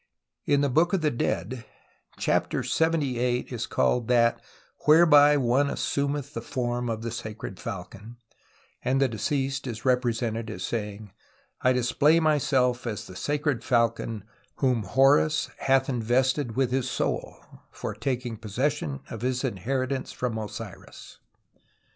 In the Book of the Dead Chapter LXXVIII is called that " whereby one assumeth the form of the Sacred Falcon" and the deceased is represented as saying " I display myself as the Sacred Falcon whom Horns hath invested with his soul for taking possession of his inherit ance from Osiris" (Renouf).